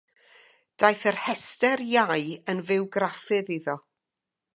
Daeth yr Hester iau yn fywgraffydd iddo.